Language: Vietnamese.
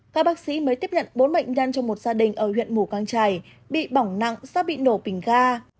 các bác sĩ mới tiếp nhận bốn bệnh nhân trong một gia đình ở huyện mù căng trải bị bỏng nặng do bị nổ bình ga